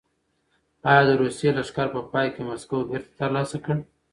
ایا د روسیې لښکر په پای کې مسکو بېرته ترلاسه کړ؟